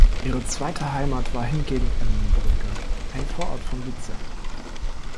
Ihre zweite Heimat war hingegen Emmenbrücke, ein Vorort von Luzern.